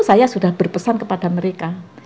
saya sudah berpesan kepada mereka